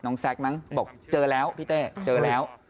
น้องแซคบอกเจอแล้วพี่เตะเจอแล้ว